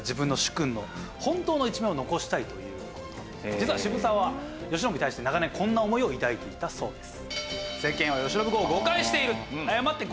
実は渋沢は慶喜に対して長年こんな思いを抱いていたそうです。